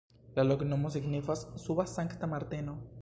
La loknomo signifas: suba-Sankta Marteno.